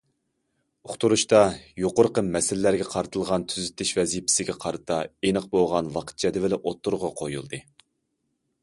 « ئۇقتۇرۇش» تا، يۇقىرىقى مەسىلىلەرگە قارىتىلغان تۈزىتىش ۋەزىپىسىگە قارىتا، ئېنىق بولغان ۋاقىت جەدۋىلى ئوتتۇرىغا قويۇلدى.